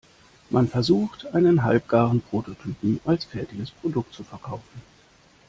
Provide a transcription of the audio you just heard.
Man versucht, einen halbgaren Prototypen als fertiges Produkt zu verkaufen.